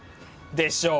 でしょ！